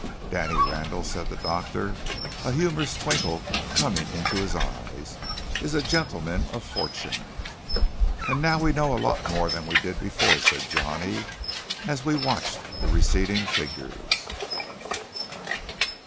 "Danny Randall," said the doctor, a humorous twinkle coming into his eyes, "is a gentleman of fortune." "And now we know a lot more than we did before!" said Johnny, as we watched the receding figures.